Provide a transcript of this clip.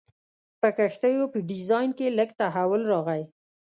په کښتیو په ډیزاین کې لږ تحول راغی.